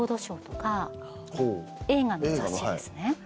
映画の雑誌ですね。